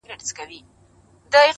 کښتۍ هم ورڅخه ولاړه پر خپل لوري!.